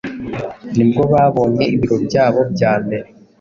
nibwo babonye ibiro byabo bya mbere.